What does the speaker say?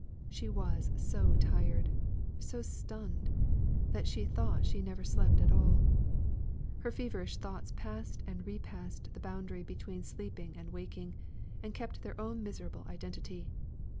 She was so tired, so stunned, that she thought she never slept at all; her feverish thoughts passed and repassed the boundary between sleeping and waking, and kept their own miserable identity.